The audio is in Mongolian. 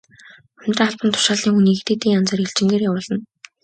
Өндөр албан тушаалын хүнийг хэд хэдэн янзаар элчингээр явуулна.